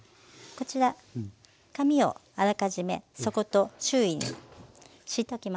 こちら紙をあらかじめ底と周囲に敷いておきました。